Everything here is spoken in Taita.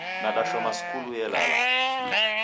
Nadashoma skulu yelala